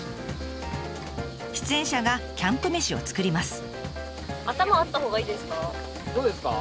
出演者がキャンプ飯を作ります。